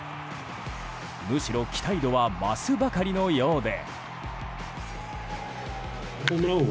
むしろ期待度は増すばかりのようで。